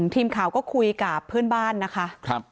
ทีมข่าวก็คุยกับเพื่อนบ้านนะคะ